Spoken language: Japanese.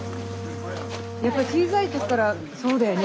やっぱ小さい時からそうだよね